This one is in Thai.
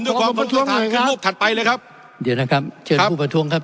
ผมด้วยความรู้สึกทางขึ้นภูมิถัดไปเลยครับเดี๋ยวนะครับเชิญผู้ประทวงครับ